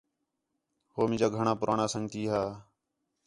ہو مینجا گھݨاں پُراݨاں سنڳتی ہا